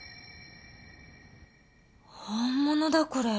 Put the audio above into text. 本物だこれ。